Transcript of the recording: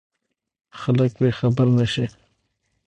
خلک پرې خبر نه شي.